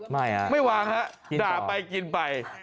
ไม่ฮะไม่วางฮะด่าไปกินไป